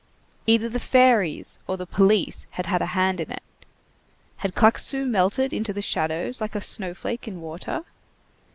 Either the fairies or the police had had a hand in it. Had Claquesous melted into the shadows like a snow flake in water?